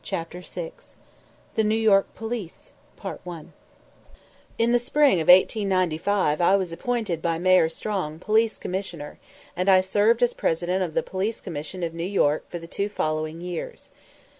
CHAPTER VI THE NEW YORK POLICE In the spring of 1895 I was appointed by Mayor Strong Police Commissioner, and I served as President of the Police Commission of New York for the two following years.